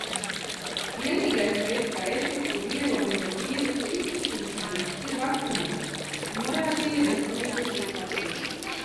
Vienīgais veids, kā efektīvi ierobežot vīrusa izplatīšanos, ir vakcinēšanās, norādīja Veselības departaments.